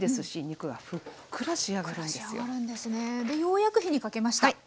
でようやく火にかけました。